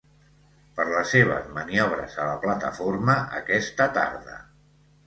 Per les seves maniobres a la plataforma aquesta tarda.